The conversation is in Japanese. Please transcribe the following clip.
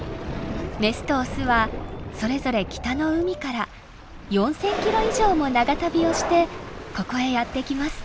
メスとオスはそれぞれ北の海から４，０００キロ以上も長旅をしてここへやって来ます。